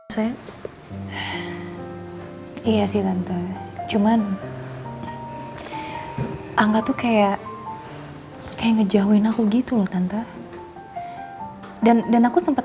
saya iya sih tante cuman angga tuh kayak ngejauhin aku gitu loh tante dan dan aku sempat